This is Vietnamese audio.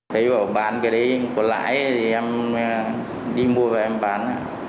thấy bảo bán cái đấy có lãi thì em đi mua và em bán